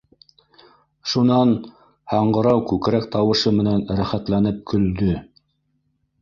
Шунан һаңғырау күкрәк тауышы менән рәхәтләнеп көлдө